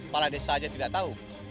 kepala desa saja tidak tahu